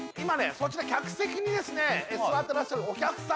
そっちの客席にですね座ってらっしゃるお客様